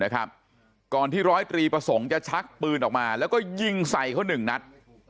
ก่อนที่ร้อยตรีประสงค์จะชักปืนออกมาแล้วก็ยิงใส่เขาหนึ่งนัด